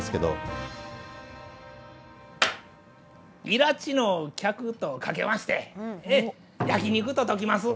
いらちの客とかけまして焼き肉と解きます。